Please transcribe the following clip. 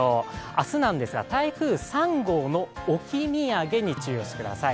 明日は台風３号の置き土産に注意してください。